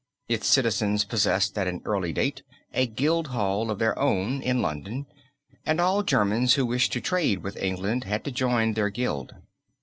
Its citizens possessed at an early date a guild hall of their own (in London), and all Germans who wished to trade with England had to join their guild.